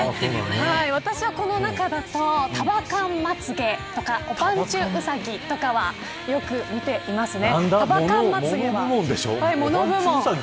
私は、この中だと束感まつげとかコパン中とかはよく見ていますね。